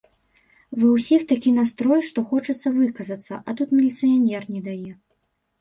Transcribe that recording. Ва ўсіх такі настрой, што хочацца выказацца, а тут міліцыянер не дае.